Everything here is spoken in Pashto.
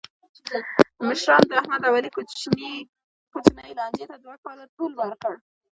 مشرانو د احمد او علي کوچنۍ لانجې ته دوه کاله طول ورکړ.